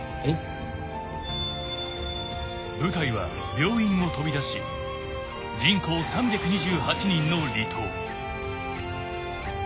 ［病院を飛び出し人口３２８人の離島］